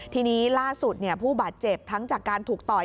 ทีนี้ล่าสุดผู้บาดเจ็บทั้งจากการถูกต่อย